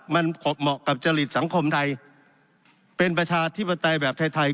มันเหมาะกับจริตสังคมไทยเป็นประชาธิปไตยแบบไทย